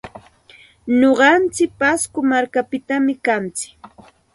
Nuqantsik pasco markapitam kantsik.